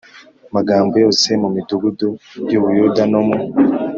magambo yose mu midugudu y u Buyuda no mu